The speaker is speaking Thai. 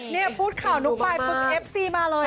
นี่พูดข่าวนุ๊กปลายพุกเอฟซีมาเลย